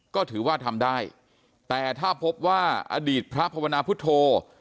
ก็ถือว่าทำได้แต่ถ้าพบว่าอดีตพระภาวนาพุทธโธ